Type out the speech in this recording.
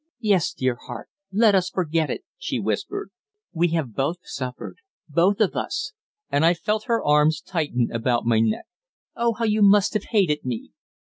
"Yes, dear heart. Let us forget it," she whispered. "We have both suffered both of us," and I felt her arms tighten about my neck. "Oh, how you must have hated me!"